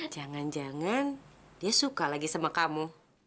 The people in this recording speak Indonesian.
jangan jangan dia suka lagi sama kamu